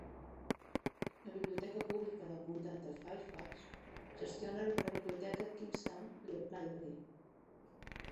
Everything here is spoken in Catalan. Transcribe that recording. La Biblioteca Pública del Comtat de Fairfax gestiona la biblioteca Kingstowne Library.